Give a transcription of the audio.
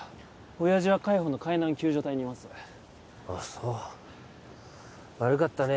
親父は海保の海難救助隊にいますあっそう悪かったね